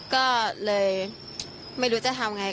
ก็เลยไม่รู้จะทำไง